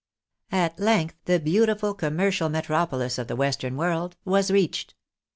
At length the beautiful commercial metropolis of the western world was reached.